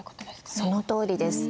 そのとおりです。